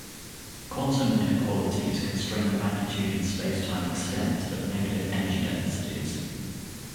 Quantum inequalities constrain the magnitude and space-time extent of negative energy densities.